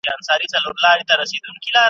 او ښکنځلو څخه ډکه وه ,